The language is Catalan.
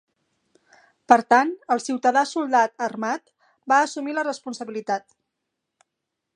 Per tant, el ciutadà-soldat armat va assumir la responsabilitat.